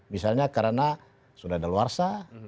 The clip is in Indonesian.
misalnya karena sudah ada luarsa